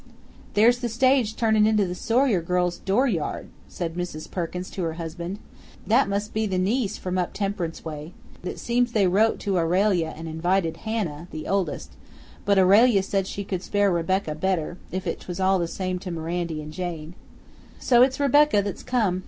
"There's the stage turnin' into the Sawyer girls' dooryard," said Mrs. Perkins to her husband. "That must be the niece from up Temperance way. It seems they wrote to Aurelia and invited Hannah, the oldest, but Aurelia said she could spare Rebecca better, if 't was all the same to Mirandy 'n' Jane; so it's Rebecca that's come.